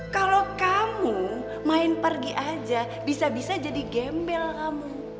kalau kamu main pergi aja bisa bisa jadi gembel kamu